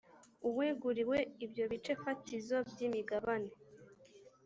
uweguriwe ibyo bice fatizo by imigabane